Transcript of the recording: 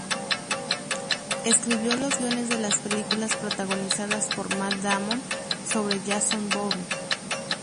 Escribió los guiones de las películas protagonizadas por Matt Damon sobre Jason Bourne.